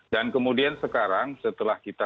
dan kemudian sekarang setelah kita